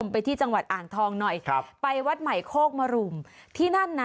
ไปที่จังหวัดอ่างทองหน่อยครับไปวัดใหม่โคกมรุมที่นั่นนะ